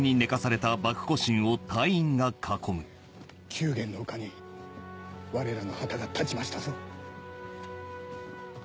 宮元の丘にわれらの旗が立ちましたぞ。